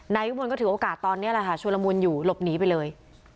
นายวิมลก็ถือโอกาสตอนนี้แหละค่ะชุลมุนอยู่หลบหนีไปเลย